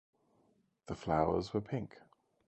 The flowers were pink.